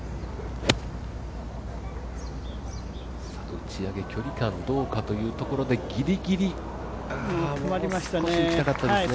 打ち上げ、距離感どうかというところでぎりぎり一気にいきたかったですね。